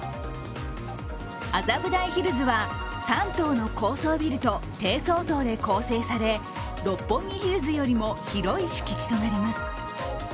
麻布台ヒルズは３棟の高層ビルと低層棟で構成され六本木ヒルズよりも広い敷地となります。